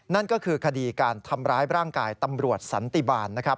นั่นก็คือคดีการทำร้ายร่างกายตำรวจสันติบาลนะครับ